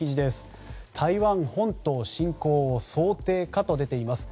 台湾本島侵攻を想定かと出ています。